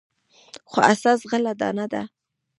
خو اساس غله دانه ده.